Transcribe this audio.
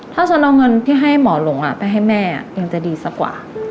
ถ้าฉันเอาเงินที่ให้หมอหลงไปให้แม่ยังจะดีสักกว่า